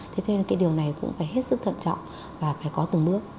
thế cho nên cái điều này cũng phải hết sức thận trọng và phải có từng bước